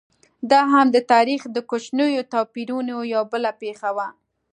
دا هم د تاریخ د کوچنیو توپیرونو یوه بله پېښه وه.